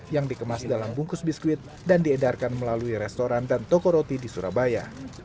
yang dikemas dalam bungkus biskuit dan diedarkan melalui restoran dan toko roti di surabaya